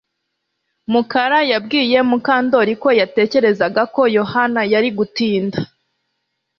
Mukara yabwiye Mukandoli ko yatekerezaga ko Yohana yari gutinda